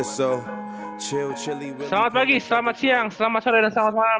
selamat pagi selamat siang selamat sore dan selamat malam